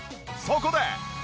そこで。